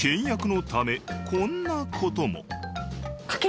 倹約のためこんな事も。